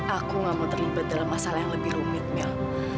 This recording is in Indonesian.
aku gak mau terlibat dalam masalah yang lebih rumit mil